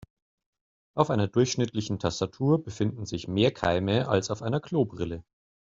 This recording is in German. Auf einer durchschnittlichen Tastatur befinden sich mehr Keime als auf einer Klobrille.